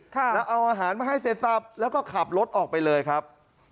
แล้วเอาอาหารมาให้เสร็จสับแล้วก็ขับรถออกไปเลยครับ